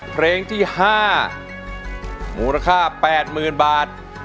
เพลงที่๕มูลค่า๘๐๐๐บาท